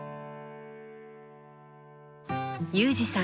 裕二さん